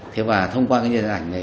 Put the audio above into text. thế và thông qua cái nhân diện ảnh này